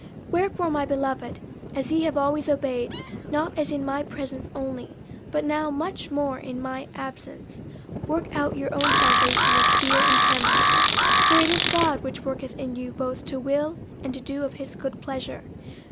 50:002:012 Wherefore, my beloved, as ye have always obeyed, not as in my presence only, but now much more in my absence, work out your own salvation with fear and trembling. 50:002:013 For it is God which worketh in you both to will and to do of his good pleasure.